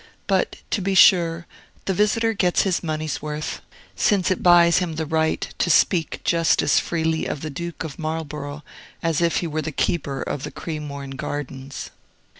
But, to be sure, the visitor gets his money's worth, since it buys him the right to speak just as freely of the Duke of Marlborough as if he were the keeper of the Cremorne Gardens.